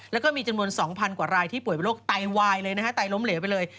แล้วก็มีจำนวน๒๐๐กว่ารายที่ป่วยเป็นโรคไตวายเลยนะฮะไตล้มเหลวไปเลย